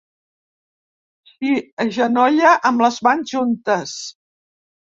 S'hi agenolla amb les mans juntes.